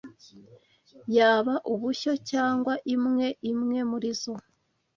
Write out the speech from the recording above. yaba ubushyo cyangwa imwe imwe muri zo